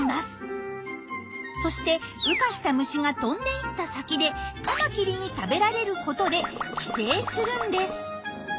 そして羽化した虫が飛んで行った先でカマキリに食べられることで寄生するんです。